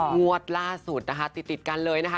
งวดล่าสุดนะคะติดกันเลยนะคะ